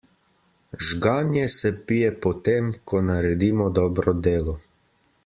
Žganje se pije po tem, ko naredimo dobro delo.